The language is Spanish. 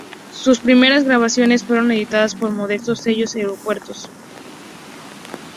Sus primeras grabaciones fueron editadas por modestos sellos centroeuropeos.